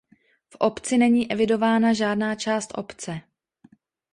V obci není evidována žádná část obce.